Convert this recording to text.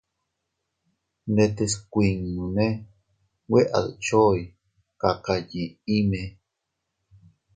Ndetes kuinnone nwe a dchoy kakayiʼime.